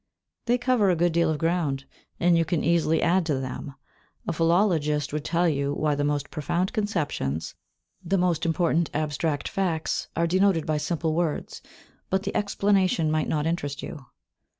They cover a good deal of ground, and you can easily add to them. A philologist would tell you why the most profound conceptions, the most important abstract facts, are denoted by simple words, but the explanation might not interest you.